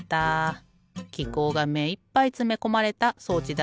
きこうがめいっぱいつめこまれた装置だったね。